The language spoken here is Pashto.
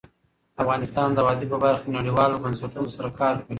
افغانستان د وادي په برخه کې نړیوالو بنسټونو سره کار کوي.